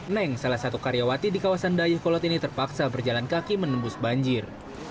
neng salah satu karyawati di kawasan dayuh kolot ini terpaksa berjalan kaki menembus banjir